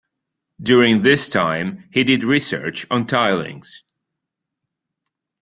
During this time he did research on tilings.